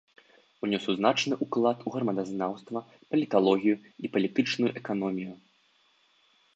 Унёс значны ўклад у грамадазнаўства, паліталогію і палітычную эканомію.